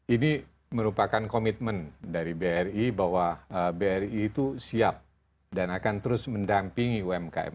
ini merupakan komitmen dari bri bahwa bri itu siap dan akan terus mendampingi umkm